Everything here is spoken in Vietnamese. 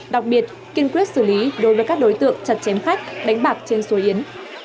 đặc biệt kiên quyết xử lý đối với các đối tượng chặt chém khách đánh bạc trên số yến